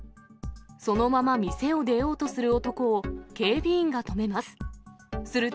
そのまま店を出ようとする男を、警備員が止めます。